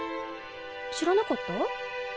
知らなかった？